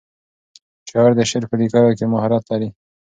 شاعر د شعر په لیکلو کې مهارت لري.